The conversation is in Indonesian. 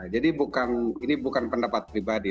jadi ini bukan pendapat pribadi